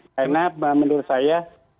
karena menurut saya